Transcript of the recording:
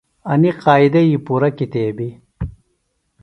انِیۡ قائدئی پُرہ کتیبِیۡ۔